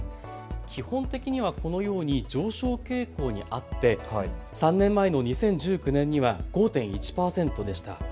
基本的にはこのように上昇傾向にあって３年前の２０１９年には５．１％でした。